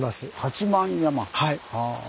はい。